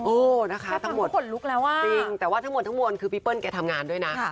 โอ้โฮนะคะทั้งหมดจริงแต่ว่าทั้งหมดคือพี่เปิ้ลแกทำงานด้วยนะ